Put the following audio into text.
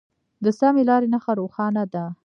د سمې لارې نښه روښانه ده.